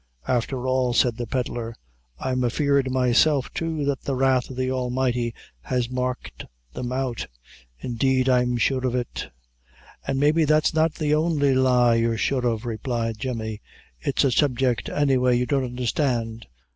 "Afther all," said the pedlar, "I'm afeard myself, too, that the wrath o' the Almighty has marked them out. Indeed, I'm sure of it." "An' maybe that's not the only lie you're sure of," replied Jemmy. "It's a subject, any way, you don't undherstand.